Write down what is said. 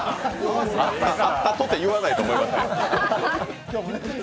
あったとて言わないと思いますよ。